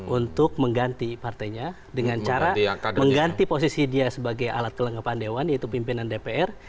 untuk mengganti partainya dengan cara mengganti posisi dia sebagai alat kelengkapan dewan yaitu pimpinan dpr